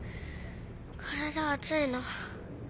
体熱いの。